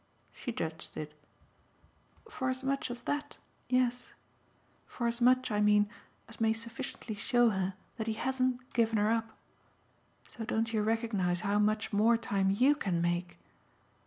She judged it. "For as much as THAT, yes. For as much, I mean, as may sufficiently show her that he hasn't given her up. So don't you recognise how much more time YOU can make?"